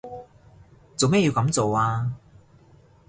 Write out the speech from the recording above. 做咩要噉做啊？